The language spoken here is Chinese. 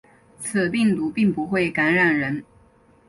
此病毒并不会感染人。